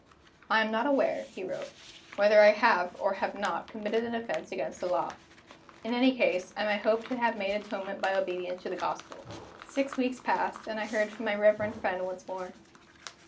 "I am not aware," he wrote, "whether I have, or have not, committed an offense against the Law. In any case, I may hope to have made atonement by obedience to the Gospel." Six weeks passed, and I heard from my reverend friend once more.